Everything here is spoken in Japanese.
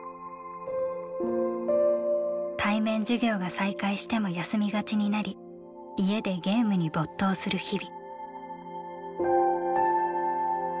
対面授業が再開しても休みがちになり家でゲームに没頭する日々。